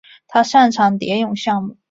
他擅长蝶泳项目。